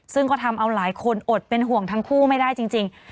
ซึ่งก็ทำเอาหลายคนอดเป็นห่วงทั้งคู่ไม่ได้จริง